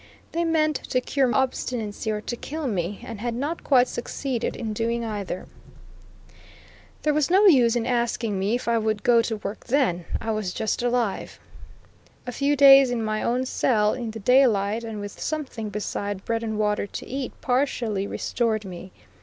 They meant to cure my obstinacy or to kill me, and had not quite succeeded in doing either. There was no use in asking me if I would go to work then; I was just alive. A few days in my own cell, in the daylight, and with something beside bread and water to eat, partially restored me.